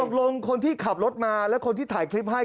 คนที่ขับรถมาและคนที่ถ่ายคลิปให้